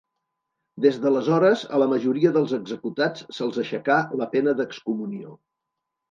Des d'aleshores a la majoria dels executats se'ls aixecà la pena d'excomunió.